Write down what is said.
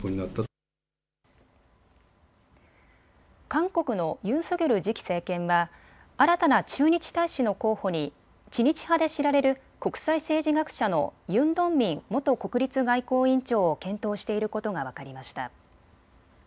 韓国のユン・ソギョル次期政権は新たな駐日大使の候補に知日派で知られる国際政治学者のユン・ドンミン元国立外交院長を検討していることが分かりました。